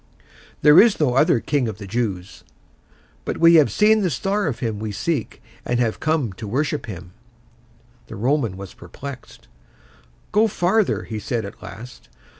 "There is no other King of the Jews." "But we have seen the star of him we seek, and come to worship him." The Roman was perplexed. "Go farther," he said, at last.